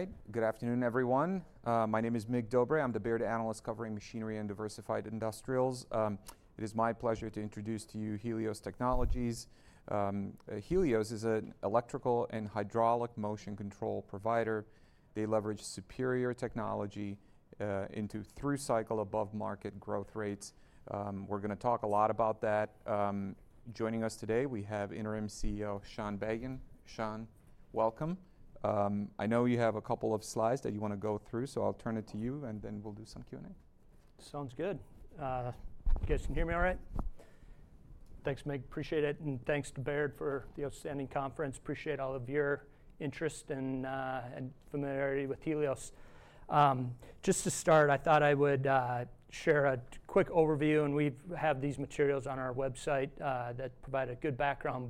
All right, good afternoon, everyone. My name is Mig Dobre. I'm the Baird Analyst covering machinery and diversified industrials. It is my pleasure to introduce to you Helios Technologies. Helios is an electrical and hydraulic motion control provider. They leverage superior technology into through-cycle above-market growth rates. We're going to talk a lot about that. Joining us today, we have Interim CEO Sean Bagan. Sean, welcome. I know you have a couple of slides that you want to go through, so I'll turn it to you, and then we'll do some Q&A. Sounds good. Guess you can hear me all right? Thanks, Mig. Appreciate it and thanks to Baird for the outstanding conference. Appreciate all of your interest and familiarity with Helios. Just to start, I thought I would share a quick overview, and we have these materials on our website that provide a good background,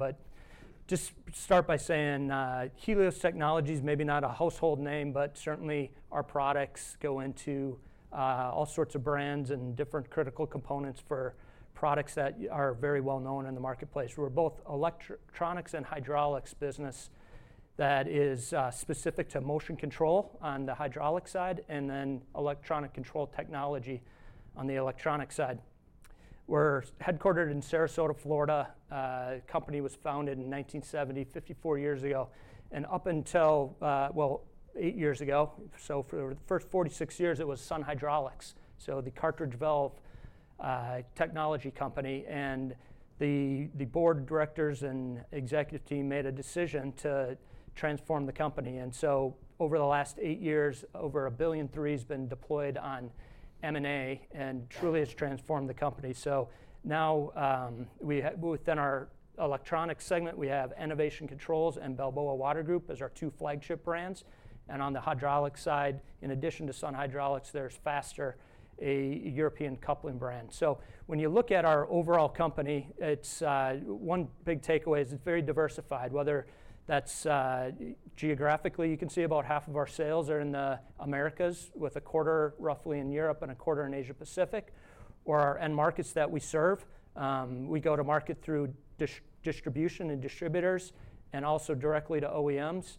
but just start by saying Helios Technologies may be not a household name, but certainly our products go into all sorts of brands and different critical components for products that are very well known in the marketplace. We're both electronics and hydraulics business that is specific to motion control on the hydraulic side, and then electronic control technology on the electronic side. We're headquartered in Sarasota, Florida. The company was founded in 1970, 54 years ago, and up until, well, eight years ago. For the first 46 years, it was Sun Hydraulics, so the cartridge valve technology company. The board of directors and executive team made a decision to transform the company. Over the last eight years, over $1.3 billion have been deployed on M&A, and truly has transformed the company. Now within our electronics segment, we have Enovation Controls and Balboa Water Group as our two flagship brands. On the hydraulic side, in addition to Sun Hydraulics, there's Faster, a European coupling brand. When you look at our overall company, one big takeaway is it's very diversified, whether that's geographically. You can see about half of our sales are in the Americas, with a quarter roughly in Europe and a quarter in Asia Pacific. Or our end markets that we serve, we go to market through distribution and distributors, and also directly to OEMs.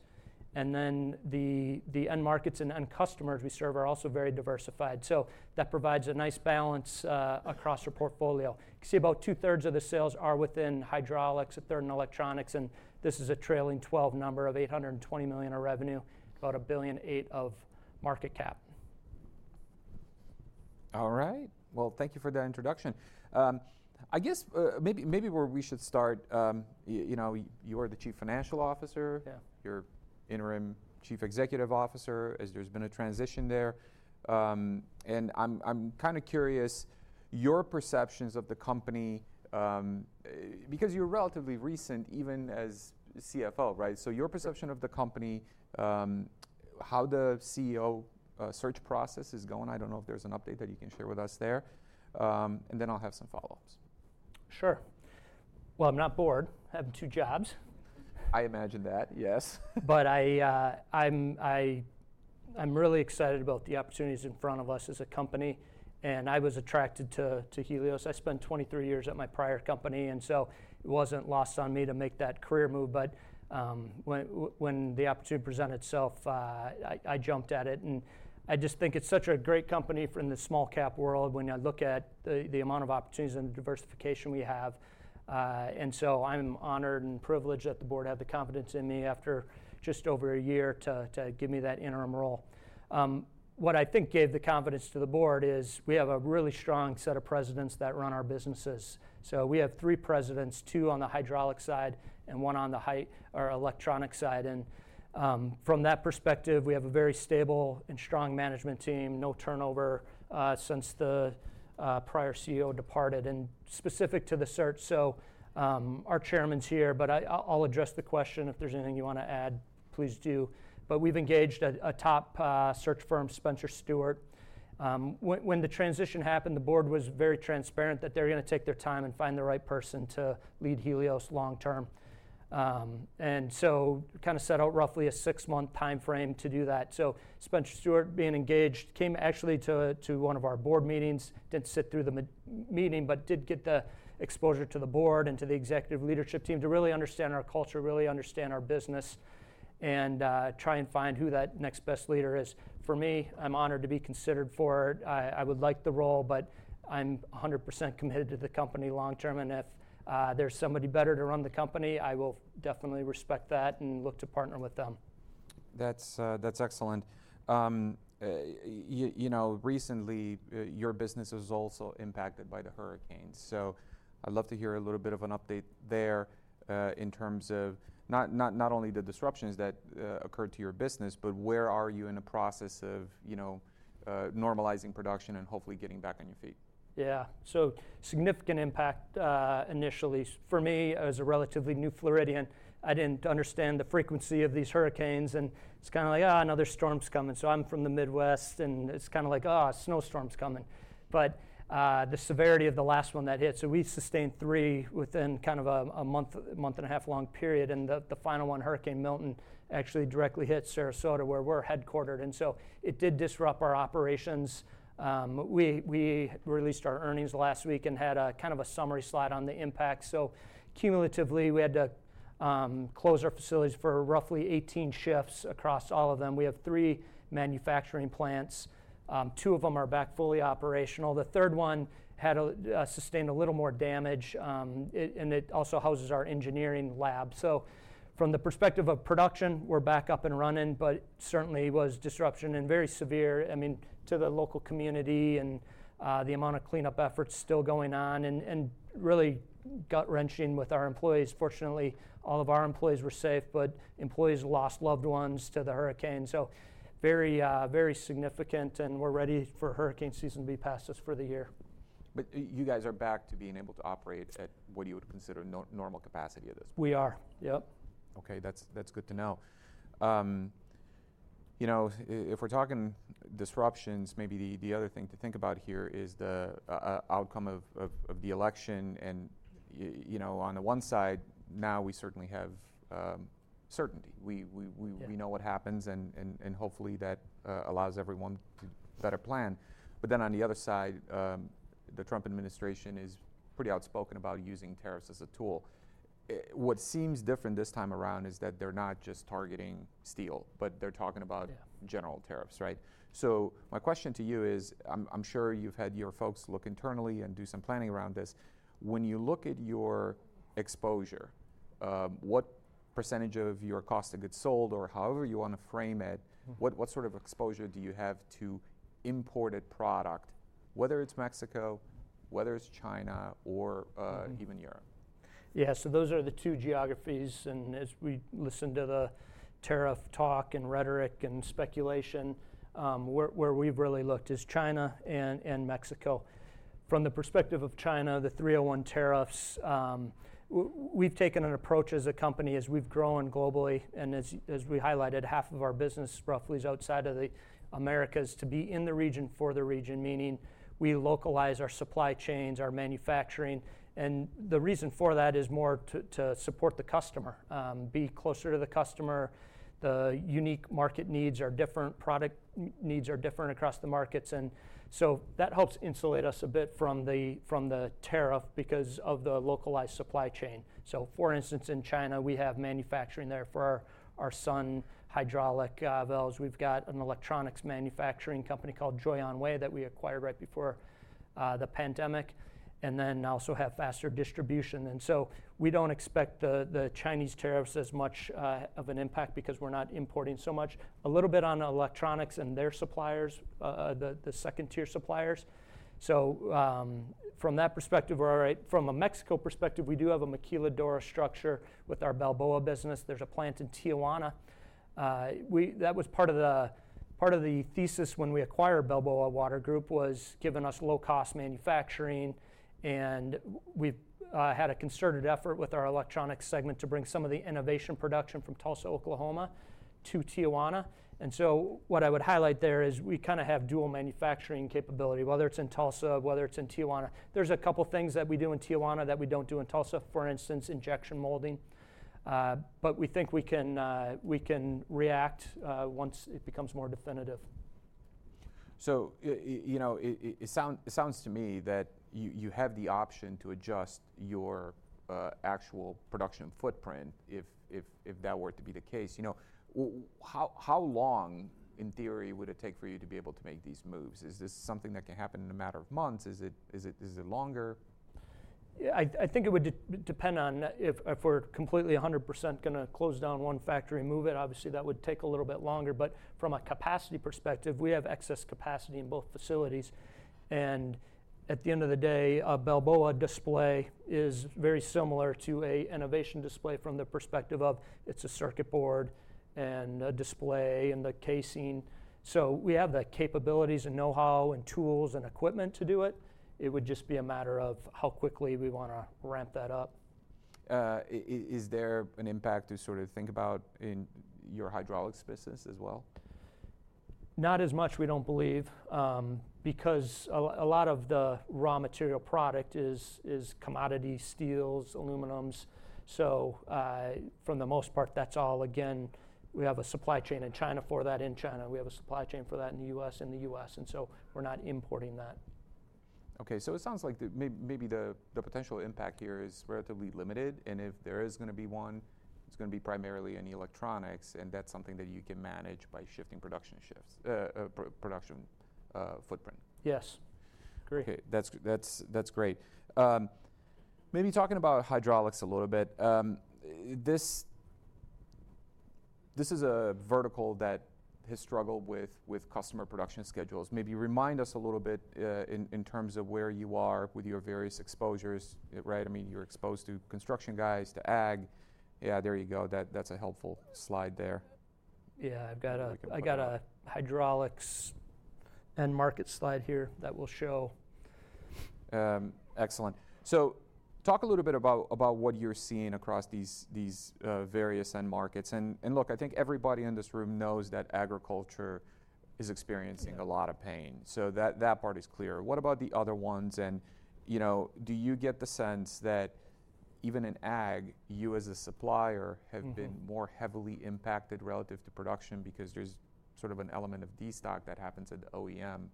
And then the end markets and end customers we serve are also very diversified. So that provides a nice balance across our portfolio. You can see about two-thirds of the sales are within hydraulics, a third in electronics, and this is a trailing 12 number of $820 million of revenue, about $1.8 billion of market cap. All right. Well, thank you for that introduction. I guess maybe where we should start, you know, you are the Chief Financial Officer, you're Interim Chief Executive Officer, as there's been a transition there. And I'm kind of curious your perceptions of the company, because you're relatively recent, even as CFO, right? So your perception of the company, how the CEO search process is going, I don't know if there's an update that you can share with us there. And then I'll have some follow-ups. Sure. Well, I'm not bored. I have two jobs. I imagine that, yes. But I'm really excited about the opportunities in front of us as a company. And I was attracted to Helios. I spent 23 years at my prior company, and so it wasn't lost on me to make that career move. But when the opportunity presented itself, I jumped at it. And I just think it's such a great company for in the small cap world when I look at the amount of opportunities and the diversification we have. And so I'm honored and privileged that the board had the confidence in me after just over a year to give me that interim role. What I think gave the confidence to the board is we have a really strong set of presidents that run our businesses. So we have three presidents, two on the hydraulic side and one on the electronic side. From that perspective, we have a very stable and strong management team, no turnover since the prior CEO departed. Specific to the search, so our chairman's here, but I'll address the question. If there's anything you want to add, please do, but we've engaged a top search firm, Spencer Stuart. When the transition happened, the board was very transparent that they're going to take their time and find the right person to lead Helios long term, and so kind of set out roughly a six-month timeframe to do that, so Spencer Stuart being engaged came actually to one of our board meetings, didn't sit through the meeting, but did get the exposure to the board and to the executive leadership team to really understand our culture, really understand our business, and try and find who that next best leader is. For me, I'm honored to be considered for it. I would like the role, but I'm 100% committed to the company long term, and if there's somebody better to run the company, I will definitely respect that and look to partner with them. That's excellent. You know, recently your business was also impacted by the hurricanes. So I'd love to hear a little bit of an update there in terms of not only the disruptions that occurred to your business, but where are you in the process of normalizing production and hopefully getting back on your feet? Yeah. So significant impact initially. For me, as a relatively new Floridian, I didn't understand the frequency of these hurricanes, and it's kind of like another storm's coming. I'm from the Midwest, and it's kind of like snowstorm's coming, but the severity of the last one that hit, so we sustained three within kind of a month, month and a half long period. The final one, Hurricane Milton, actually directly hit Sarasota where we're headquartered, and so it did disrupt our operations. We released our earnings last week and had kind of a summary slide on the impact. Cumulatively, we had to close our facilities for roughly 18 shifts across all of them. We have three manufacturing plants. Two of them are back fully operational. The third one had sustained a little more damage, and it also houses our engineering lab. So, from the perspective of production, we're back up and running, but certainly was disruption and very severe, I mean, to the local community and the amount of cleanup efforts still going on and really gut-wrenching with our employees. Fortunately, all of our employees were safe, but employees lost loved ones to the hurricane. So, very, very significant, and we're ready for hurricane season to be past us for the year. But you guys are back to being able to operate at what you would consider normal capacity at this point. We are, yep. Okay, that's good to know. You know, if we're talking disruptions, maybe the other thing to think about here is the outcome of the election. And you know, on the one side, now we certainly have certainty. We know what happens, and hopefully that allows everyone to better plan. But then on the other side, the Trump administration is pretty outspoken about using tariffs as a tool. What seems different this time around is that they're not just targeting steel, but they're talking about general tariffs, right? So my question to you is, I'm sure you've had your folks look internally and do some planning around this. When you look at your exposure, what percentage of your cost of goods sold, or however you want to frame it, what sort of exposure do you have to imported product, whether it's Mexico, whether it's China, or even Europe? Yeah, so those are the two geographies and as we listen to the tariff talk and rhetoric and speculation, where we've really looked is China and Mexico. From the perspective of China, the 301 tariffs, we've taken an approach as a company as we've grown globally and as we highlighted, half of our business roughly is outside of the Americas to be in the region for the region, meaning we localize our supply chains, our manufacturing and the reason for that is more to support the customer, be closer to the customer. The unique market needs are different, product needs are different across the markets, and so that helps insulate us a bit from the tariff because of the localized supply chain, so for instance, in China, we have manufacturing there for our Sun hydraulic valves. We've got an electronics manufacturing company called Joyonway that we acquired right before the pandemic. And then also have Faster distribution. And so we don't expect the Chinese tariffs as much of an impact because we're not importing so much. A little bit on electronics and their suppliers, the second tier suppliers. So from that perspective, from a Mexico perspective, we do have a maquiladora structure with our Balboa business. There's a plant in Tijuana. That was part of the thesis when we acquired Balboa Water Group was giving us low-cost manufacturing. And we've had a concerted effort with our electronics segment to bring some of the Enovation production from Tulsa, Oklahoma, to Tijuana. And so what I would highlight there is we kind of have dual manufacturing capability, whether it's in Tulsa, whether it's in Tijuana. There's a couple of things that we do in Tijuana that we don't do in Tulsa, for instance, injection molding. But we think we can react once it becomes more definitive. So you know, it sounds to me that you have the option to adjust your actual production footprint if that were to be the case. You know, how long in theory would it take for you to be able to make these moves? Is this something that can happen in a matter of months? Is it longer? I think it would depend on if we're completely 100% going to close down one factory and move it. Obviously, that would take a little bit longer. But from a capacity perspective, we have excess capacity in both facilities. And at the end of the day, a Balboa display is very similar to an Enovation display from the perspective of it's a circuit board and a display and the casing. So we have the capabilities and know-how and tools and equipment to do it. It would just be a matter of how quickly we want to ramp that up. Is there an impact to sort of think about in your hydraulics business as well? Not as much, we don't believe. Because a lot of the raw material product is commodity steels, aluminums. So for the most part, that's all, again, we have a supply chain in China for that, in the U.S. And so we're not importing that. Okay, so it sounds like maybe the potential impact here is relatively limited. And if there is going to be one, it's going to be primarily in electronics. And that's something that you can manage by shifting production shifts, production footprint. Yes. Okay, that's great. Maybe talking about hydraulics a little bit. This is a vertical that has struggled with customer production schedules. Maybe remind us a little bit in terms of where you are with your various exposures, right? I mean, you're exposed to construction guys, to ag. Yeah, there you go. That's a helpful slide there. Yeah, I've got a hydraulics end market slide here that will show. Excellent. So talk a little bit about what you're seeing across these various end markets. And look, I think everybody in this room knows that agriculture is experiencing a lot of pain. So that part is clear. What about the other ones? And you know, do you get the sense that even in ag, you as a supplier have been more heavily impacted relative to production because there's sort of an element of destock that happens at the OEM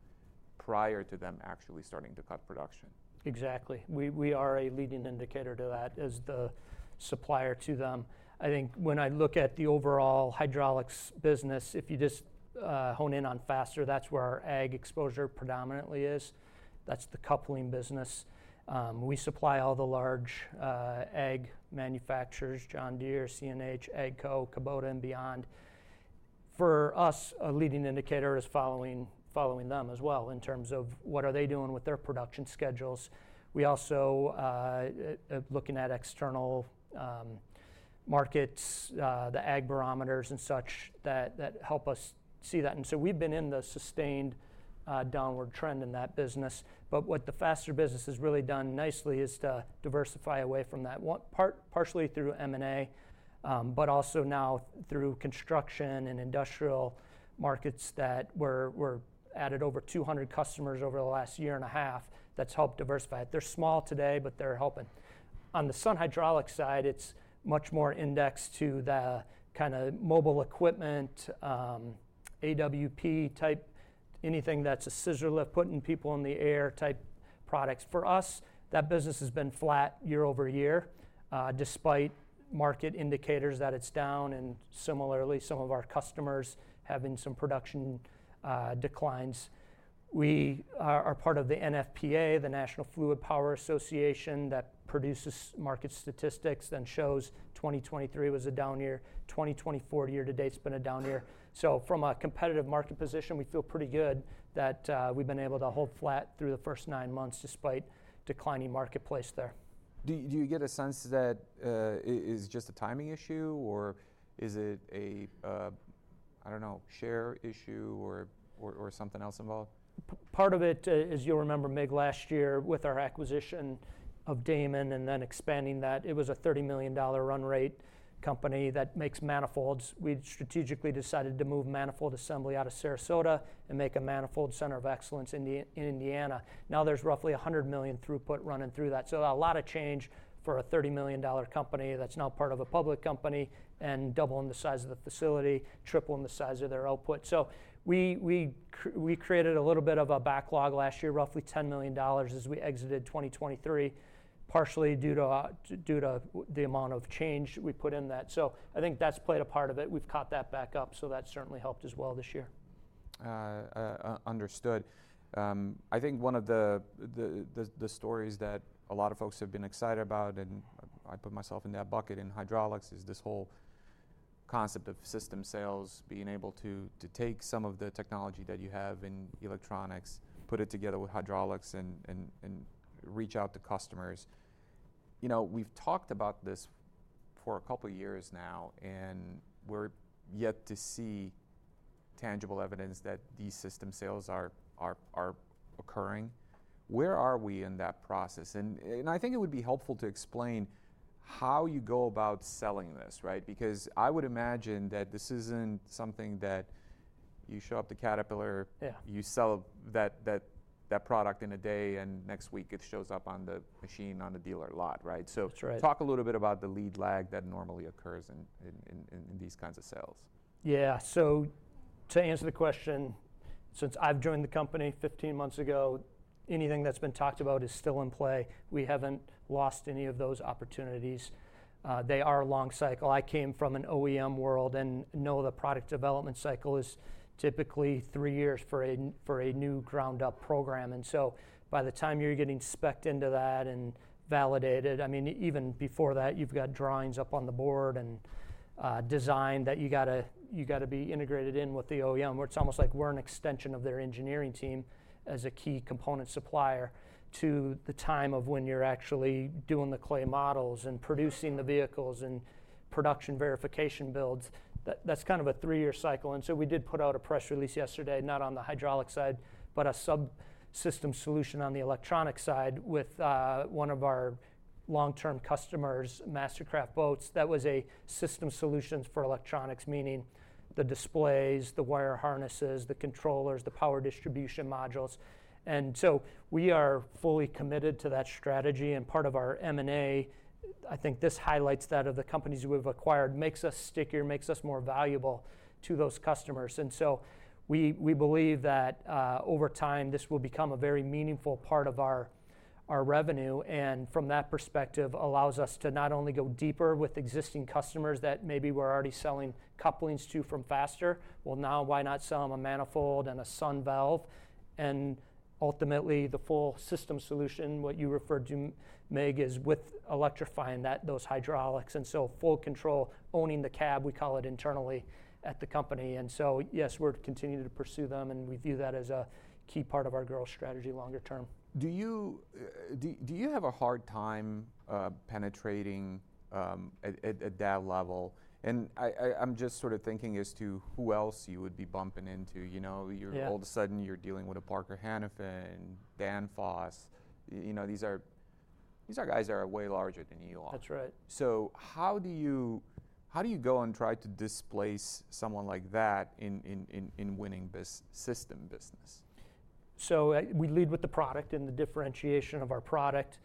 prior to them actually starting to cut production? Exactly. We are a leading indicator to that as the supplier to them. I think when I look at the overall hydraulics business, if you just hone in on Faster, that's where our ag exposure predominantly is. That's the coupling business. We supply all the large ag manufacturers, John Deere, CNH, AGCO, Kubota, and beyond. For us, a leading indicator is following them as well in terms of what are they doing with their production schedules. We also are looking at external markets, the ag barometers and such that help us see that. And so we've been in the sustained downward trend in that business. But what the Faster business has really done nicely is to diversify away from that, partially through M&A, but also now through construction and industrial markets that we've added over 200 customers over the last year and a half, that's helped diversify. They're small today, but they're helping. On the Sun Hydraulics side, it's much more indexed to the kind of mobile equipment, AWP type, anything that's a scissor lift, putting people in the air type products. For us, that business has been flat year over year, despite market indicators that it's down, and similarly, some of our customers having some production declines. We are part of the NFPA, the National Fluid Power Association that produces market statistics and shows 2023 was a down year. 2024 year to date has been a down year, so from a competitive market position, we feel pretty good that we've been able to hold flat through the first nine months despite declining marketplace there. Do you get a sense that it is just a timing issue or is it a, I don't know, share issue or something else involved? Part of it is, you'll remember, Mig, last year with our acquisition of Daman and then expanding that. It was a $30 million run rate company that makes manifolds. We strategically decided to move manifold assembly out of Sarasota and make a manifold center of excellence in Indiana. Now there's roughly $100 million throughput running through that. So a lot of change for a $30 million company that's now part of a public company and doubling the size of the facility, tripling the size of their output. So we created a little bit of a backlog last year, roughly $10 million as we exited 2023, partially due to the amount of change we put in that. So I think that's played a part of it. We've caught that back up. So that certainly helped as well this year. Understood. I think one of the stories that a lot of folks have been excited about, and I put myself in that bucket in hydraulics, is this whole concept of system sales, being able to take some of the technology that you have in electronics, put it together with hydraulics, and reach out to customers. You know, we've talked about this for a couple of years now, and we're yet to see tangible evidence that these system sales are occurring. Where are we in that process? And I think it would be helpful to explain how you go about selling this, right? Because I would imagine that this isn't something that you show up to Caterpillar, you sell that product in a day, and next week it shows up on the machine, on the dealer lot, right? Talk a little bit about the lead lag that normally occurs in these kinds of sales. Yeah, so to answer the question, since I've joined the company 15 months ago, anything that's been talked about is still in play. We haven't lost any of those opportunities. They are a long cycle. I came from an OEM world and know the product development cycle is typically three years for a new ground-up program, and so by the time you're getting specced into that and validated, I mean, even before that, you've got drawings up on the board and design that you got to be integrated in with the OEM, where it's almost like we're an extension of their engineering team as a key component supplier to the time of when you're actually doing the clay models and producing the vehicles and production verification builds. That's kind of a three-year cycle. And so we did put out a press release yesterday, not on the hydraulic side, but a subsystem solution on the electronic side with one of our long-term customers, MasterCraft Boats. That was a system solution for electronics, meaning the displays, the wire harnesses, the controllers, the power distribution modules. And so we are fully committed to that strategy. And part of our M&A, I think this highlights that of the companies we've acquired, makes us stickier, makes us more valuable to those customers. And so we believe that over time, this will become a very meaningful part of our revenue. And from that perspective, it allows us to not only go deeper with existing customers that maybe we're already selling couplings to from Faster, well, now why not sell them a manifold and a Sun valve? Ultimately, the full system solution, what you referred to, Mig, is with electrifying those hydraulics. Full control, owning the cab, we call it internally at the company. Yes, we're continuing to pursue them. We view that as a key part of our growth strategy longer term. Do you have a hard time penetrating at that level? And I'm just sort of thinking as to who else you would be bumping into. You know, all of a sudden, you're dealing with a Parker Hannifin, Danfoss. You know, these are guys that are way larger than you are. That's right. So how do you go and try to displace someone like that in winning this system business? So we lead with the product and the differentiation of our product.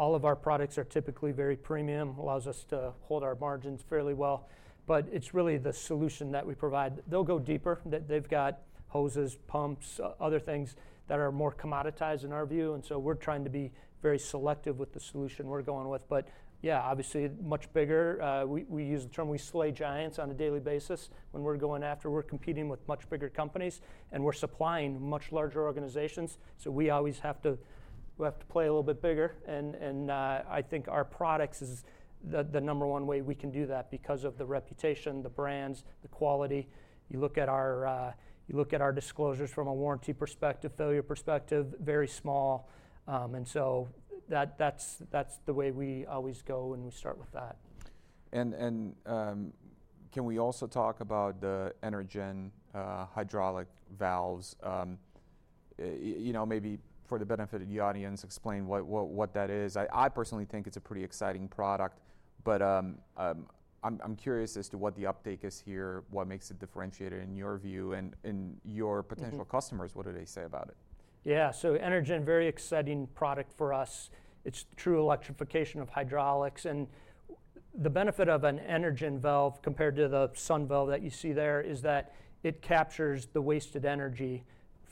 All of our products are typically very premium, allows us to hold our margins fairly well. But it's really the solution that we provide. They'll go deeper. They've got hoses, pumps, other things that are more commoditized in our view. And so we're trying to be very selective with the solution we're going with. But yeah, obviously, much bigger. We use the term we slay giants on a daily basis when we're going after. We're competing with much bigger companies. And we're supplying much larger organizations. So we always have to play a little bit bigger. And I think our products is the number one way we can do that because of the reputation, the brands, the quality. You look at our disclosures from a warranty perspective, failure perspective, very small. That's the way we always go, and we start with that. Can we also talk about the Energen hydraulic valves? You know, maybe for the benefit of the audience, explain what that is. I personally think it's a pretty exciting product. But I'm curious as to what the uptake is here, what makes it differentiated in your view, and your potential customers, what do they say about it? Yeah, so Energen, very exciting product for us. It's true electrification of hydraulics. And the benefit of an Energen valve compared to the Sun valve that you see there is that it captures the wasted energy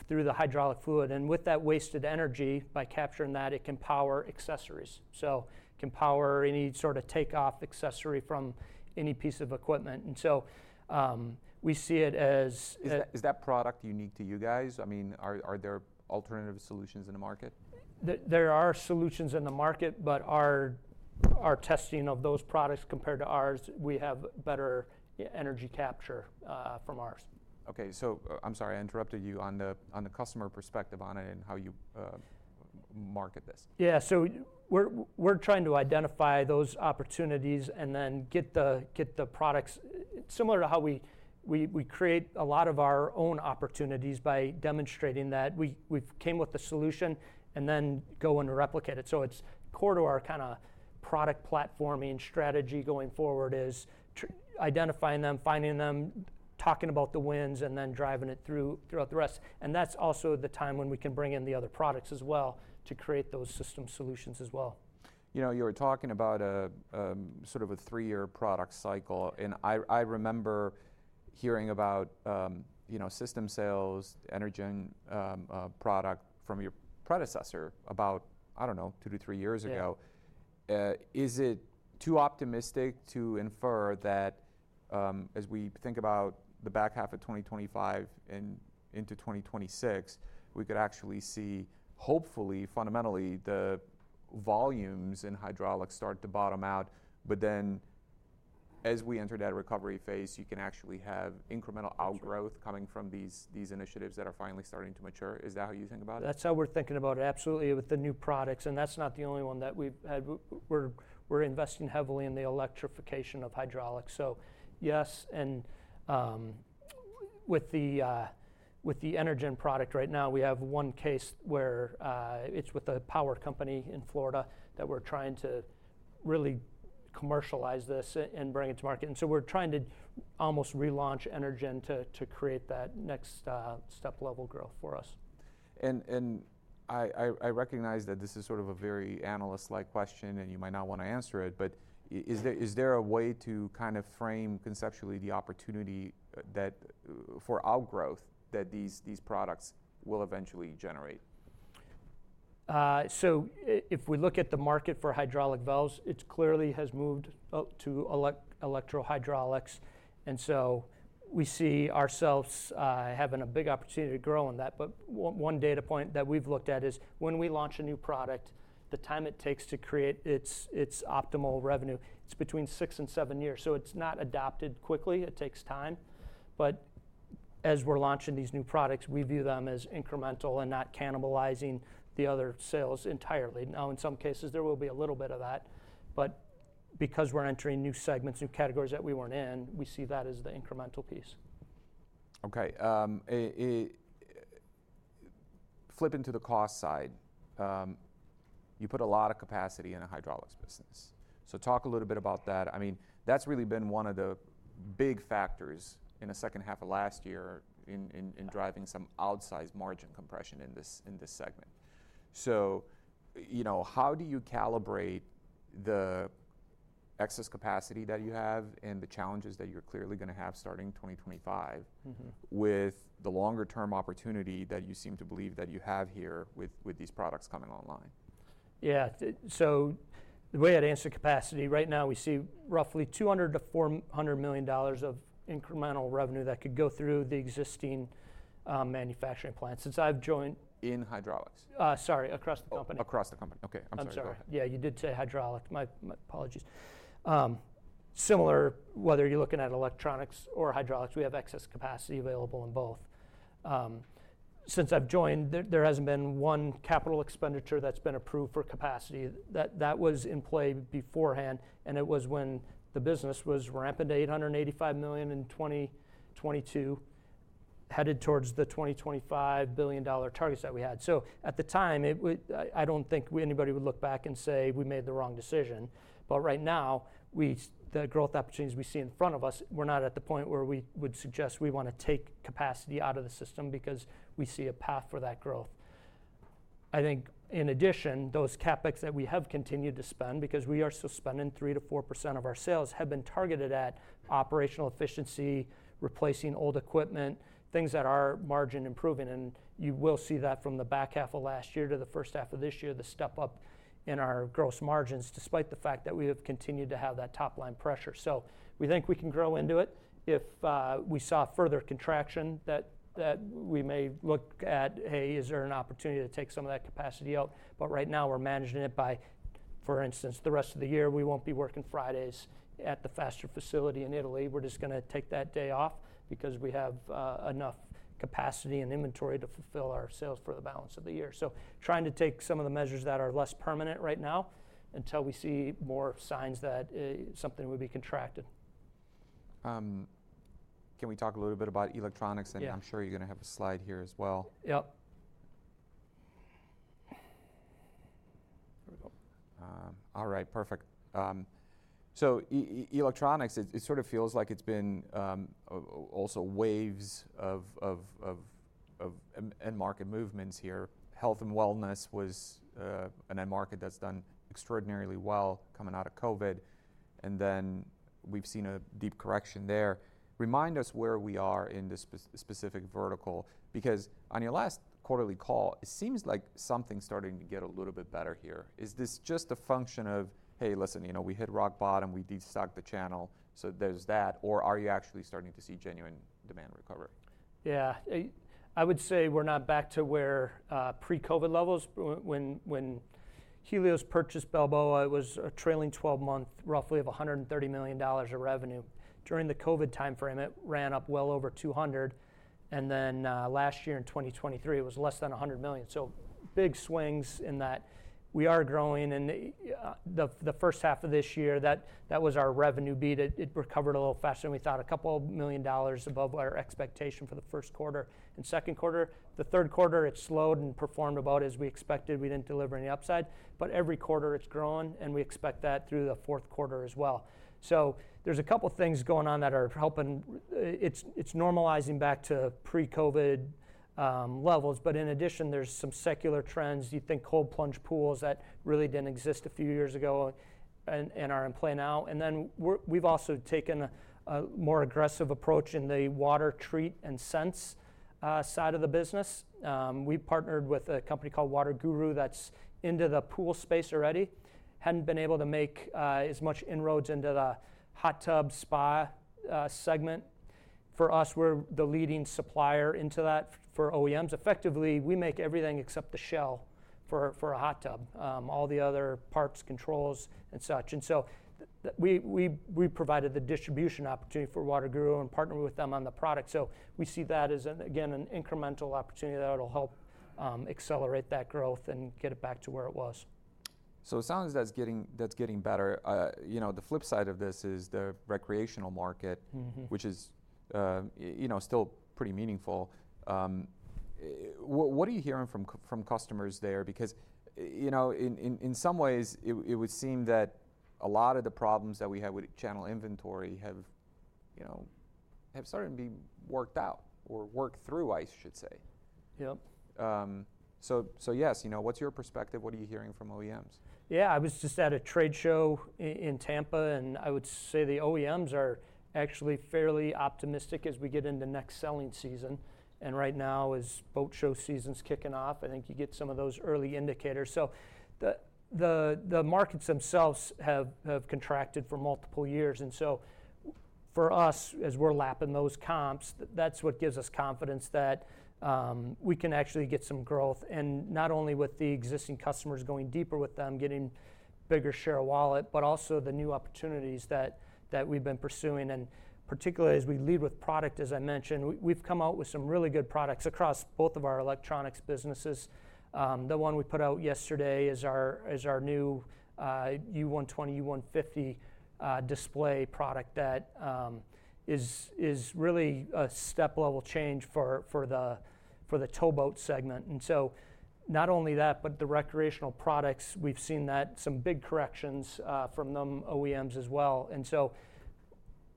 through the hydraulic fluid. And with that wasted energy, by capturing that, it can power accessories. So it can power any sort of takeoff accessory from any piece of equipment. And so we see it as. Is that product unique to you guys? I mean, are there alternative solutions in the market? There are solutions in the market, but our testing of those products compared to ours, we have better energy capture from ours. Okay, so I'm sorry, I interrupted you on the customer perspective on it and how you market this. Yeah, so we're trying to identify those opportunities and then get the products similar to how we create a lot of our own opportunities by demonstrating that we came with the solution and then go and replicate it. So it's core to our kind of product platforming strategy going forward is identifying them, finding them, talking about the wins, and then driving it through throughout the rest. And that's also the time when we can bring in the other products as well to create those system solutions as well. You know, you were talking about sort of a three-year product cycle, and I remember hearing about system sales, Energen product from your predecessor about, I don't know, two to three years ago. Is it too optimistic to infer that as we think about the back half of 2025 and into 2026, we could actually see, hopefully, fundamentally, the volumes in hydraulics start to bottom out, but then as we enter that recovery phase, you can actually have incremental outgrowth coming from these initiatives that are finally starting to mature? Is that how you think about it? That's how we're thinking about it, absolutely, with the new products. And that's not the only one that we've had. We're investing heavily in the electrification of hydraulics. So yes. And with the Energen product right now, we have one case where it's with a power company in Florida that we're trying to really commercialize this and bring it to market. And so we're trying to almost relaunch Energen to create that next step-level growth for us. I recognize that this is sort of a very analyst-like question, and you might not want to answer it, but is there a way to kind of frame conceptually the opportunity for outgrowth that these products will eventually generate? So if we look at the market for hydraulic valves, it clearly has moved up to electrohydraulics. And so we see ourselves having a big opportunity to grow in that. But one data point that we've looked at is when we launch a new product, the time it takes to create its optimal revenue, it's between six and seven years. So it's not adopted quickly. It takes time. But as we're launching these new products, we view them as incremental and not cannibalizing the other sales entirely. Now, in some cases, there will be a little bit of that. But because we're entering new segments, new categories that we weren't in, we see that as the incremental piece. Okay. Flip into the cost side. You put a lot of capacity in a hydraulics business. So talk a little bit about that. I mean, that's really been one of the big factors in the second half of last year in driving some outsized margin compression in this segment. So how do you calibrate the excess capacity that you have and the challenges that you're clearly going to have starting 2025 with the longer-term opportunity that you seem to believe that you have here with these products coming online? Yeah. So the way I'd answer capacity, right now, we see roughly $200 million to $400 million of incremental revenue that could go through the existing manufacturing plants. Since I've joined. In hydraulics? Sorry, across the company. Across the company. Okay. I'm sorry. Yeah, you did say hydraulic. My apologies. Similarly, whether you're looking at electronics or hydraulics, we have excess capacity available in both. Since I've joined, there hasn't been one capital expenditure that's been approved for capacity. That was in play beforehand, and it was when the business was rampant at $885 million in 2022, headed towards the 2025 billion dollor targets that we had, so at the time, I don't think anybody would look back and say we made the wrong decision, but right now, the growth opportunities we see in front of us, we're not at the point where we would suggest we want to take capacity out of the system because we see a path for that growth. I think in addition, those CapEx that we have continued to spend, because we are still spending 3%-4% of our sales, have been targeted at operational efficiency, replacing old equipment, things that are margin improving, and you will see that from the back half of last year to the first half of this year, the step up in our gross margins, despite the fact that we have continued to have that top-line pressure, so we think we can grow into it. If we saw further contraction, that we may look at, hey, is there an opportunity to take some of that capacity out, but right now, we're managing it by, for instance, the rest of the year, we won't be working Fridays at the Faster facility in Italy. We're just going to take that day off because we have enough capacity and inventory to fulfill our sales for the balance of the year. So trying to take some of the measures that are less permanent right now until we see more signs that something would be contracted. Can we talk a little bit about electronics? And I'm sure you're going to have a slide here as well. Yep. All right, perfect. So electronics, it sort of feels like it's been also waves of end market movements here. Health and wellness was an end market that's done extraordinarily well coming out of COVID. And then we've seen a deep correction there. Remind us where we are in this specific vertical, because on your last quarterly call, it seems like something's starting to get a little bit better here. Is this just a function of, hey, listen, you know, we hit rock bottom, we de-stocked the channel, so there's that, or are you actually starting to see genuine demand recovery? Yeah, I would say we're not back to pre-COVID levels. When Helios purchased Balboa, it was a trailing 12-month roughly of $130 million of revenue. During the COVID timeframe, it ran up well over $200 million, and then last year in 2023, it was less than $100 million, so big swings in that we are growing, and the first half of this year, that was our revenue beat. It recovered a little faster than we thought, $2 million above our expectation for the first quarter and second quarter. The third quarter, it slowed and performed about as we expected. We didn't deliver any upside, but every quarter, it's grown, and we expect that through the fourth quarter as well, so there's a couple of things going on that are helping. It's normalizing back to pre-COVID levels, but in addition, there's some secular trends. You'd think cold plunge pools that really didn't exist a few years ago and are in play now, and then we've also taken a more aggressive approach in the water treat and sense side of the business. We partnered with a company called WaterGuru that's into the pool space already. Hadn't been able to make as much inroads into the hot tub spa segment. For us, we're the leading supplier into that for OEMs. Effectively, we make everything except the shell for a hot tub, all the other parts, controls, and such, and so we provided the distribution opportunity for WaterGuru and partnered with them on the product, so we see that as, again, an incremental opportunity that will help accelerate that growth and get it back to where it was. So it sounds like that's getting better. You know, the flip side of this is the recreational market, which is still pretty meaningful. What are you hearing from customers there? Because, you know, in some ways, it would seem that a lot of the problems that we had with channel inventory have started to be worked out or worked through, I should say. Yep. So yes, you know, what's your perspective? What are you hearing from OEMs? Yeah, I was just at a trade show in Tampa. And I would say the OEMs are actually fairly optimistic as we get into next selling season. And right now, as boat show season's kicking off, I think you get some of those early indicators. So the markets themselves have contracted for multiple years. And so for us, as we're lapping those comps, that's what gives us confidence that we can actually get some growth. And not only with the existing customers going deeper with them, getting a bigger share of wallet, but also the new opportunities that we've been pursuing. And particularly as we lead with product, as I mentioned, we've come out with some really good products across both of our electronics businesses. The one we put out yesterday is our new U120, U150 display product that is really a step-level change for the towboat segment. And so, not only that, but the recreational products, we've seen some big corrections from them OEMs as well. And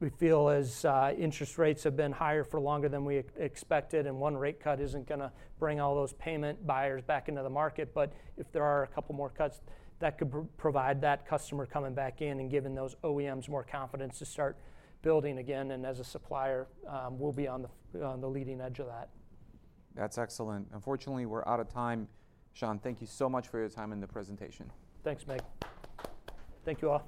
so we feel as interest rates have been higher for longer than we expected, and one rate cut isn't going to bring all those payment buyers back into the market. But if there are a couple more cuts, that could provide that customer coming back in and giving those OEMs more confidence to start building again. And as a supplier, we'll be on the leading edge of that. That's excellent. Unfortunately, we're out of time. Sean, thank you so much for your time in the presentation. Thanks, Mig. Thank you all.